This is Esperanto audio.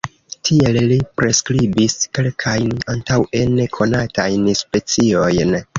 Tiel li priskribis kelkajn antaŭe nekonatajn speciojn.